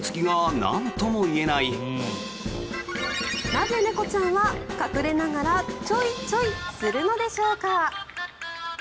なぜ猫ちゃんは隠れながらチョイチョイするのでしょうか。